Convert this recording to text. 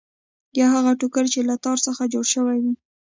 یا هغه ټوکر چې له تار څخه جوړ شوی وي.